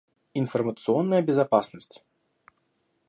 Информационная безопасность